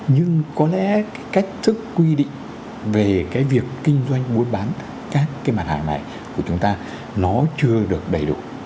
nhưng có lẽ cái cách thức quy định về cái việc kinh doanh buôn bán các cái mặt hàng này của chúng ta nó chưa được đầy đủ